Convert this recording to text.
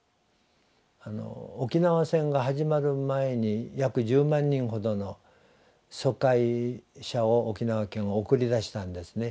沖縄戦が始まる前に約１０万人ほどの疎開者を沖縄県は送り出したんですね